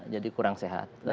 jadi kurang sehat